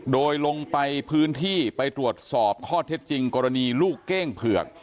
โดยลงไปพื้นที่ไปตรวจสอบข้อเท็จจริงกรณีลูกเก้งเผือก